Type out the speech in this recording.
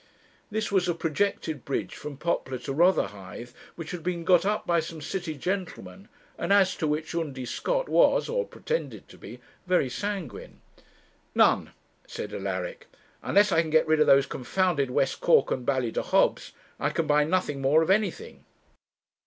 This was a projected bridge from Poplar to Rotherhithe, which had been got up by some city gentlemen, and as to which Undy Scott was, or pretended to be, very sanguine. 'None,' said Alaric. 'Unless I can get rid of those confounded West Cork and Ballydehobs, I can buy nothing more of anything.'